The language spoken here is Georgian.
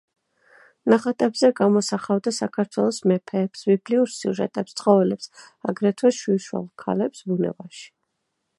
ნახატებზე გამოსახავდა საქართველოს მეფეებს, ბიბლიურ სიუჟეტებს, ცხოველებს, აგრეთვე შიშველ ქალებს ბუნებაში.